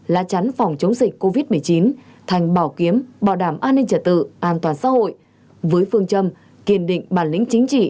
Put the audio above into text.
lá chắn phòng chống dịch covid một mươi chín thành bảo kiếm bảo đảm an ninh trả tự an toàn xã hội với phương châm kiên định bản lĩnh chính trị